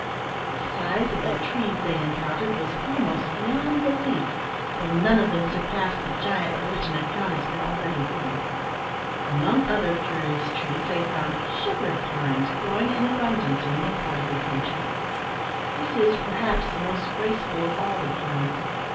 The size of the trees they encountered was almost beyond belief, though none of them surpassed the giant of which an account has been already given. Among other curious trees they found sugar pines growing in abundance in one part of the country. This is, perhaps, the most graceful of all the pines.